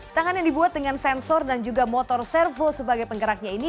tangan yang dibuat dengan sensor dan juga motor servo sebagai penggeraknya ini